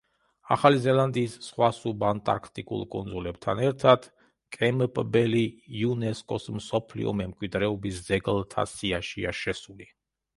ახალი ზელანდიის სხვა სუბანტარქტიკულ კუნძულებთან ერთად, კემპბელი იუნესკოს მსოფლიო მემკვიდრეობის ძეგლთა სიაშია შესული.